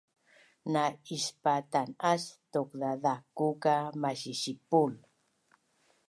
na ispatan’as taukzazaku ka masisipul